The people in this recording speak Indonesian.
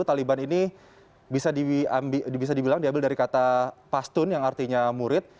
taliban ini bisa dibilang diambil dari kata pastun yang artinya murid